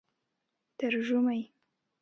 ترژومۍ